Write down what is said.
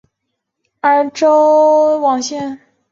而钏网线及网走本线亦正式编入网走本线。